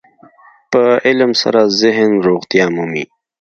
په علم سره ذهن روغتیا مومي.